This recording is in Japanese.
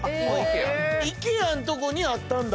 ＩＫＥＡのとこにあったんだ！